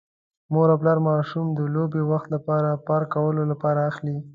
مور او پلار ماشوم د لوبې وخت لپاره پارک کولو لپاره اخلي.